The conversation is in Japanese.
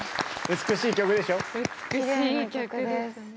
美しい曲ですね。